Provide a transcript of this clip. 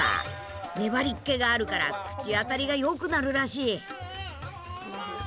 粘りっけがあるから口当たりがよくなるらしい。